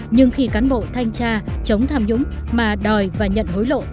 nhưng khi cán bộ thanh tra chống tham nhũng mà đòi và nhận hối lộ